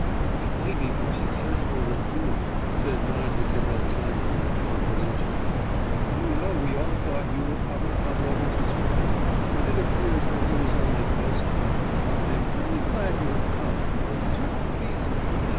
"It may be more successful with you," said Nadia to Velchaninoff confidentially. "You know we all thought you were Pavel Pavlovitch's friend, but it appears that he was only boasting. I am very glad you have come—for a certain reason!"